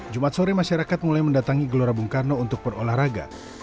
jumat sore masyarakat mulai mendatangi gelora bung karno untuk berolahraga